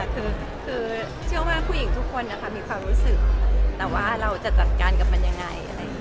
คือเชื่อว่าผู้หญิงทุกคนมีความรู้สึกแต่ว่าเราจะจัดการกับมันยังไง